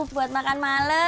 buat makan malem